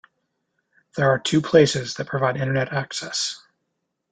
There are two places that provide Internet access.